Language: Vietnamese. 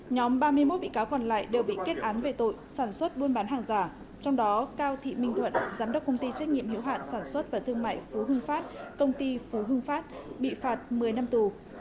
nhóm ba mươi một bị cáo còn lại đều bị kết án về tội sản xuất buôn bán hàng giả trong đó cao thị minh thuận giám đốc công ty trách nhiệm hiệu hạn sản xuất và thương mại phú hưng phát công ty phú hưng phát bị phạt một mươi năm tù